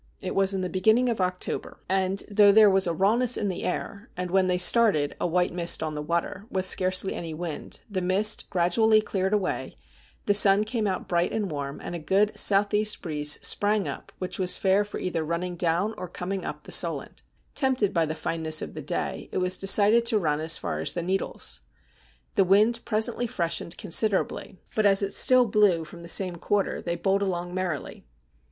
It was in the beginning of October, and THE BELL OF DOOM 249 though there was a rawness in the air, and when they started a white mist on the water, with scarcely any wind, the mist gradually cleared away, the sun came out bright and warm, and a good south east breeze sprang up, which was fair for either running down or coming up the Solent. Tempted by the fineness of the day, it was decided to run as far as the Needles. The wind presently freshened considerably, but as it still blew from the same quarter they bowled along merrily.